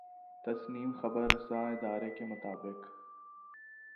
تسنیم خبررساں ادارے کے مطابق